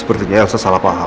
sepertinya elsa salah paham